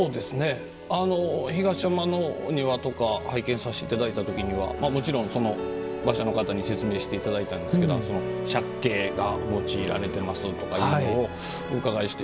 東山のお庭とか拝見させていただいた時とかにはもちろんその場所の方に説明していただいたんですけど借景が構いられていますというのをお伺いして。